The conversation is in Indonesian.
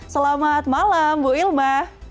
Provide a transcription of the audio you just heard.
selamat malam bu ilma